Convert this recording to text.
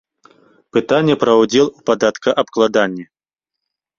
Пытанне пра ўдзел у падаткаабкладанні.